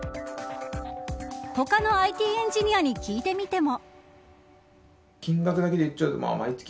他のＩＴエンジニアに聞いてみても。